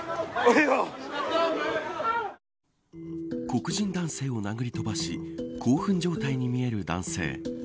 黒人男性を殴り飛ばし興奮状態に見える男性。